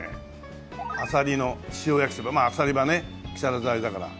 「あさりの塩焼きそば」まああさりはね木更津のあれだから。